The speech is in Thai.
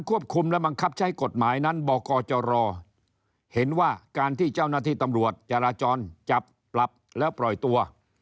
ว่าการที่เจ้าหน้าที่ตำรวจจราจรจับปรับและปล่อยตัว